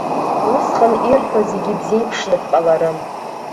Усҟан ирҳәо зегьы бзеиԥшны бҟаларым.